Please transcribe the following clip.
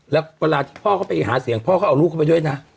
แล้วเวลาที่พ่อเขาไปหาเสียงพ่อเขาเอาลูกเข้าไปด้วยนะ